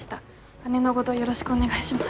姉のごどよろしくお願いします。